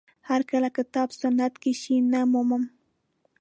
هر کله کتاب سنت کې شی نه مومم